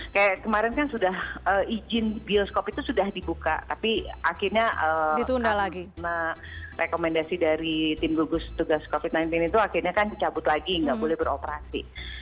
kayak kemarin kan sudah izin bioskop itu sudah dibuka tapi akhirnya rekomendasi dari tim gugus tugas covid sembilan belas itu akhirnya kan dicabut lagi nggak boleh beroperasi